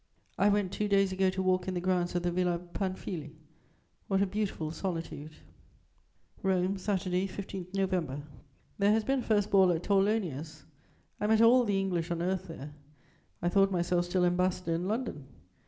"I went two days ago to walk in the grounds of the Villa Panfili: what a beautiful solitude!" "ROME, Saturday, 15 November. "There has been a first ball at Torlonia's. I met all the English on earth there; I thought myself still Ambassador in London.